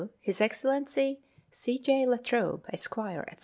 His Excellency C. J. La Trobe, Esq., &c.